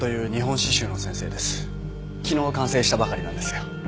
昨日完成したばかりなんですよ。